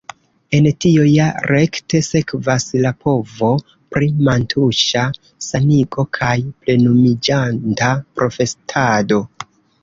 El tio ja rekte sekvas la povo pri mantuŝa sanigo kaj plenumiĝanta profetado.